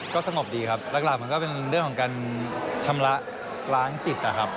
ก็สงบดีครับหลักมันก็เป็นเรื่องของการชำระล้างจิตนะครับ